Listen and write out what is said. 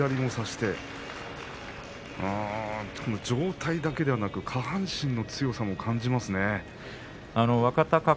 上体だけではなく下半身の強さも感じました。